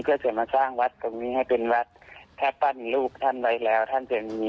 เพื่อจะมาสร้างวัดตรงนี้ให้เป็นวัดถ้าปั้นลูกท่านไว้แล้วท่านจะมี